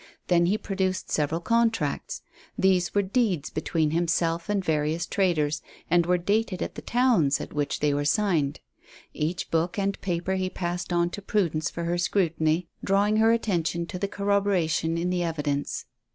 Then he produced several contracts; these were deeds between himself and various traders, and were dated at the towns at which they were signed. Each book and paper he passed on to Prudence for her scrutiny, drawing her attention to the corroboration in the evidence.